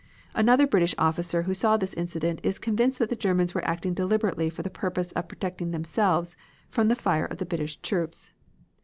"Another British officer who saw this incident is convinced that the Germans were acting deliberately for the purpose of protecting themselves from the fire of the British troops.